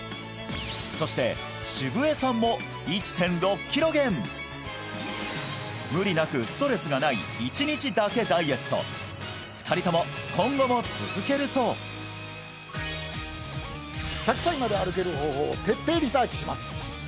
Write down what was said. そして澁江さんも１．６キロ減無理なくストレスがない１日だけダイエット２人とも今後も続けるそうを徹底リサーチします